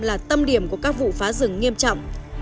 là tâm điểm của các vụ phá rừng nghiêm trọng